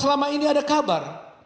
selama ini ada kabar